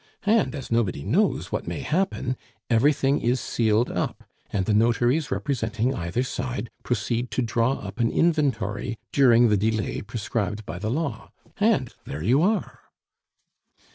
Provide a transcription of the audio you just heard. And as nobody knows what may happen, everything is sealed up, and the notaries representing either side proceed to draw up an inventory during the delay prescribed by the law.... And there you are!"